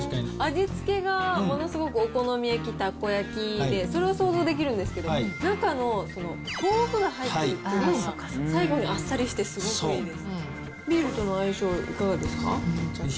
味付けがものすごくお好み焼きたこ焼きでそれは想像できるんですけど中の豆腐が入ってるっていうのが最後にあっさりしてすごくいいです。